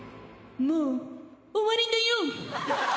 もう終わりだよ！